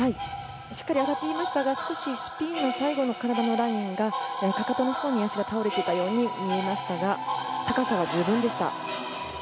しっかり上がっていましたがスピンの最後の体のラインがかかとのほうに足が倒れていたように見えましたが高さは十分でした。